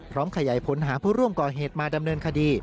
ขยายผลหาผู้ร่วมก่อเหตุมาดำเนินคดี